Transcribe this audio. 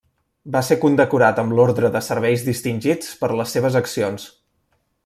Va ser condecorat amb l'Ordre de Serveis Distingits per les seves accions.